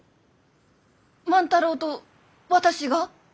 万太郎と私が？